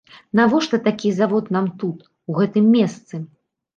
Навошта такі завод нам тут, у гэтым месцы?